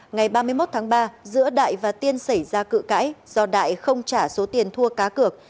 ngày ba mươi một tháng ba giữa đại và tiên xảy ra cự cãi do đại không trả số tiền thua cá cược